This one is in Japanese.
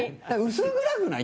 薄暗くない？